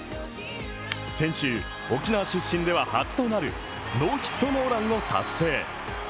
先週、沖縄出身では初となるノーヒットノーランを達成。